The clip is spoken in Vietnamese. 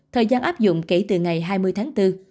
thời gian áp dụng kể từ ngày hai mươi tháng bốn